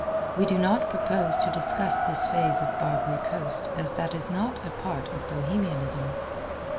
We do not propose to discuss this phase of Barbary Coast as that is not a part of Bohemianism.